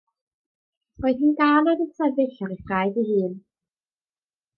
Roedd hi'n gân oedd yn sefyll ar ei thraed ei hun.